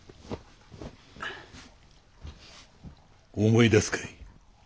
思い出すかい？